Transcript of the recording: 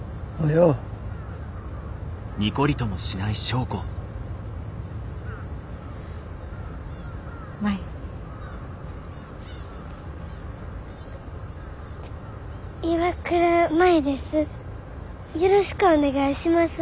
よろしくお願いします。